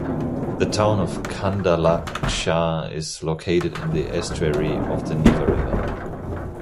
The town of Kandalaksha is located in the estuary of the Niva River.